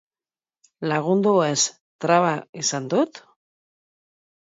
Lagundu ez, traba izan dut?